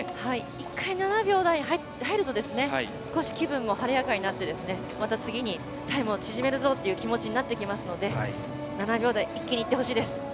一回、７秒台に入ると気分も晴れやかになってまた次にタイムを縮めるぞという気持ちになってきますので７秒台、一気にいってほしいです。